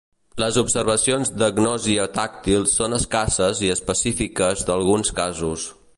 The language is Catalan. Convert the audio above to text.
Les observacions d"agnòsia tàctil són escasses i específiques d"alguns casos.